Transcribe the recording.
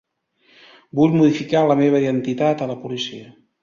Vull modificar la meva identitat a la policia.